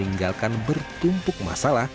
yang menjadi pekerjaan rumah republik indonesia